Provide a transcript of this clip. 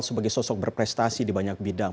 sebagai sosok berprestasi di banyak bidang